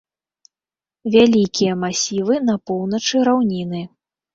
Вялікія масівы на поўначы раўніны.